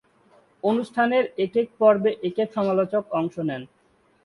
অনুষ্ঠানের একেক পর্বে একেক সমালোচক অংশ নেন।